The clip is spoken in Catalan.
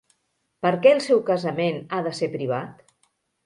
Per què el seu casament ha de ser privat?